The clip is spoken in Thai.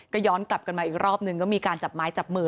ก็ย้อนกลับกันมาอีกรอบนึงก็มีการจับไม้จับมือ